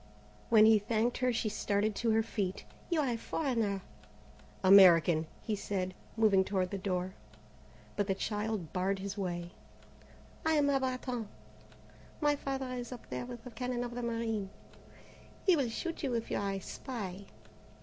When he thanked her she started to her feet. "You are a foreigner!" "American," he said, moving toward the door, but the child barred his way. "I am a Bretonne. My father is up there with the cannon of the marine. He will shoot you if you are a spy."